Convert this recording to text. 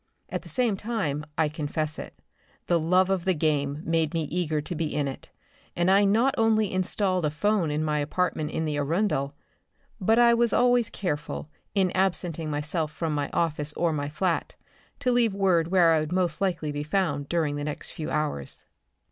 At the same time, I confess it, the love of the game made me eager to be in it and I not only installed a 'phone in my apartment in the Arundel, but I was always careful, in absenting myself from my office or my flat, to leave word where I would most likely be found during the next few hours.